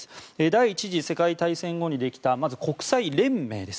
第１次世界大戦後にできた国際連盟。